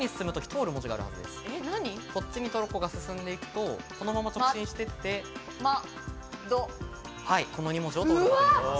こっちにトロッコが進んでいくと、このまま直進していって、この２文字を通ることになります。